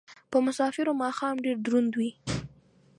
په مسافرو ماښام ډېر دروند وي